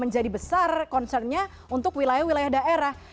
menjadi besar concernnya untuk wilayah wilayah daerah